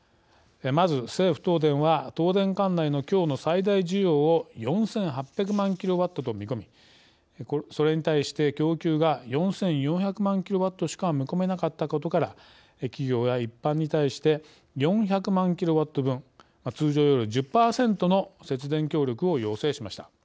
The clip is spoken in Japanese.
まず、政府東電は東電管内のきょうの最大需要を４８００万キロワットと見込みそれに対して供給が４４００万キロワットしか見込めなかったことから企業や一般に対して４００万キロワット分通常より１０％の節電協力を要請しました。